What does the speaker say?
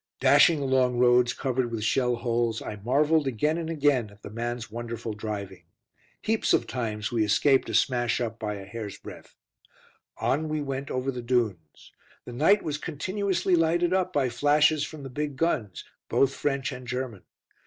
Dashing along roads covered with shell holes, I marvelled again and again at the man's wonderful driving. Heaps of times we escaped a smash up by a hair's breadth. On we went over the dunes; the night was continuously lighted up by flashes from the big guns, both French and German.